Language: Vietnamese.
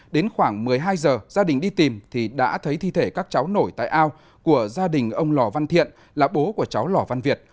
đến khoảng một mươi hai giờ gia đình đi tìm thì đã thấy thi thể các cháu nổi tại ao của gia đình ông lò văn thiện là bố của cháu lò văn việt